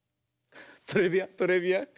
トレビアントレビアン。